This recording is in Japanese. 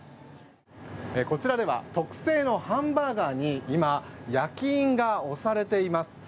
こちらでは特製のハンバーガーに今、焼き印が押されています。